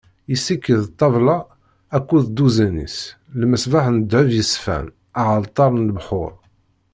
Yessiked ṭṭabla akked dduzan-is, lmeṣbaḥ n ddheb yeṣfan, aɛalṭar n lebxuṛ.